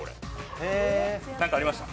何かありました？